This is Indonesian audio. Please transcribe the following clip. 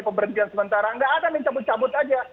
pemberhentian sementara nggak ada nih cabut cabut aja